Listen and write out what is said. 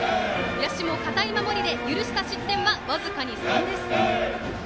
野手も堅い守りで許した失点は僅かに３です。